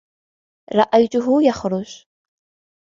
رأيته يخرج.